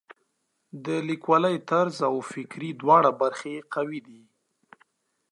د لیکوالۍ طرز او فکري دواړه برخې یې قوي دي.